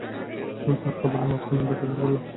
তাঁর কপালের মাঝখানে ব্যাথা শুরু হলো।